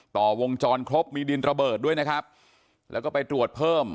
ต่อวงจรครบมีดินระเบิดด้วยแล้วก็ไปตรวจเพิ่ม